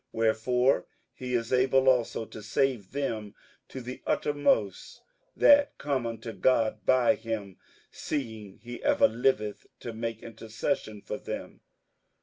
58:007:025 Wherefore he is able also to save them to the uttermost that come unto God by him, seeing he ever liveth to make intercession for them.